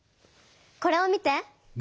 これを見て！